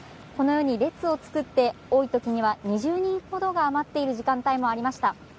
このように列を作って多いときには２０人ほどが待っている時間帯もありました。